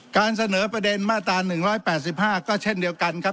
การเสนอประเด็นมาตรา๑๘๕ก็เช่นเดียวกันครับ